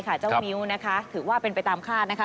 ค่ะเจ้ามิวนะครับค่ะถือว่าเป็นไปตามฆาตนะคะ